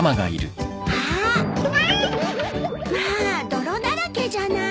まあ泥だらけじゃない。